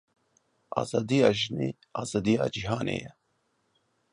Azadiya jinê azadiya cîhanê ye.